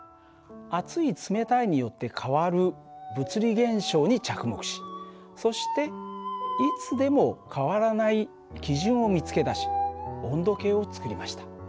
熱い冷たいによって変わる物理現象に着目しそしていつでも変わらない基準を見つけ出し温度計を作りました。